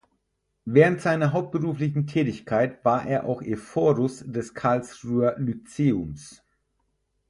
Während seiner hauptberuflichen Tätigkeit war er auch Ephorus des Karlsruher Lyceums.